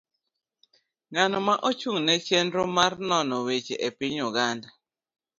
Ng'ano ma ochung' ne chenro mar nono weche e piny Uganda